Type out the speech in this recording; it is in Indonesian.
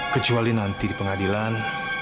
kecuali nanti di pengadilan